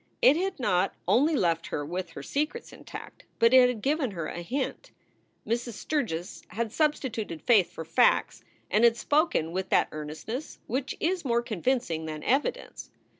It had not only left her with her secrets intact, but it had given her a hint. Mrs. Sturgs had substituted faith for facts and had spoken with that earnestness which is more convincing than evidence.